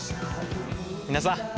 皆さん！